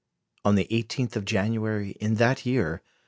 On the 18th of January in that year, M.